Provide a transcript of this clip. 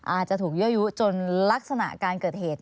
อาจจะถูกยั่วยุจนลักษณะการเกิดเหตุ